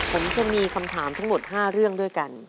ผมจะมีคำถามทั้งหมด๕เรื่องด้วยกัน